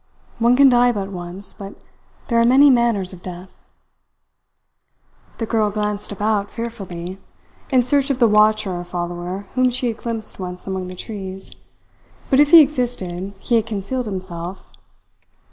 One can die but once, but there are many manners of death." The girl glanced about fearfully, in search of the watcher or follower whom she had glimpsed once among the trees; but if he existed, he had concealed himself.